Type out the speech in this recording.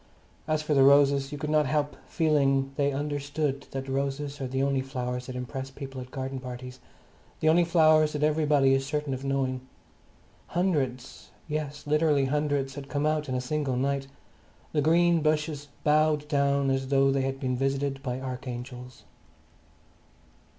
As for the roses, you could not help feeling they understood that roses are the only flowers that impress people at garden parties; the only flowers that everybody is certain of knowing. Hundreds, yes, literally hundreds, had come out in a single night; the green bushes bowed down as though they had been visited by archangels.